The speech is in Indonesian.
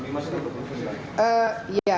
sebelumnya dua puluh lima sekarang dua puluh lima